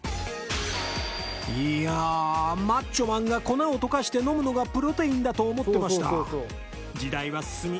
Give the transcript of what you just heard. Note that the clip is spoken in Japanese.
いやマッチョマンが粉を溶かして飲むのがプロテインだと思ってました時代は進み